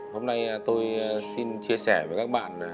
hôm nay tôi xin chia sẻ với các bạn